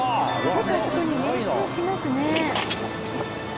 よくあそこに命中しますね。